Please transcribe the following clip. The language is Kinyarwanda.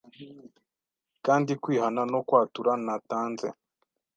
Kandi kwihana no kwatura Natanze